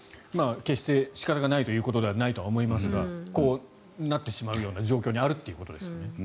決して仕方がないということではないと思いますがこうなってしまうような状況にあるということですよね。